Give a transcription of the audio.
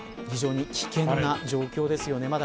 非常に危険な状況ですよね。